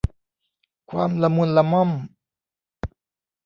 ความละมุนละม่อม